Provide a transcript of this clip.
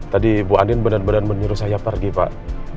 tadi bu andin benar benar menyuruh saya pergi pak